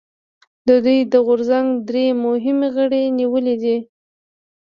د دوی د غورځنګ درې مهم غړي نیولي دي